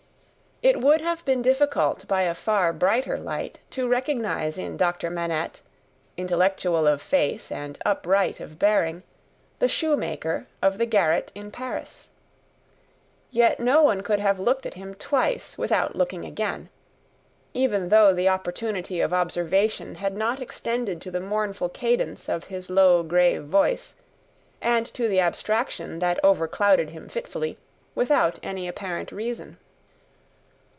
It would have been difficult by a far brighter light, to recognise in Doctor Manette, intellectual of face and upright of bearing, the shoemaker of the garret in Paris. Yet, no one could have looked at him twice, without looking again: even though the opportunity of observation had not extended to the mournful cadence of his low grave voice, and to the abstraction that overclouded him fitfully, without any apparent reason.